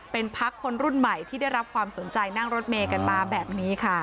เป็นพักคนรุ่นใหม่ที่ได้รับความสนใจนั่งรถเมย์กันมาแบบนี้ค่ะ